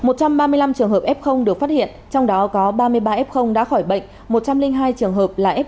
một trăm ba mươi năm trường hợp f được phát hiện trong đó có ba mươi ba f đã khỏi bệnh một trăm linh hai trường hợp là f